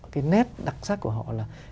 cái nét đặc sắc của họ là